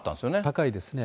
高いですね。